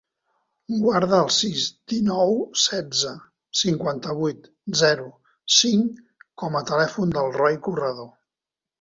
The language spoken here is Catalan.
Guarda el sis, dinou, setze, cinquanta-vuit, zero, cinc com a telèfon del Roi Corredor.